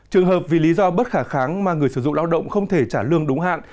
trường hợp vì lý do bất khả kháng mà người sử dụng lao động không thể trả lương đúng hạn